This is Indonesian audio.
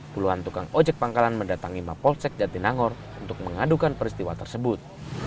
puluhan tukang ojek pangkalan mendatangi mapolsek jatinangor untuk mengadukan peristiwa tersebut